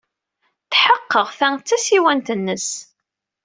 Tḥeqqeɣ ta d tasiwant-nnes.